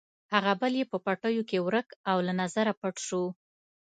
هغه بل یې په پټیو کې ورک او له نظره پټ شو.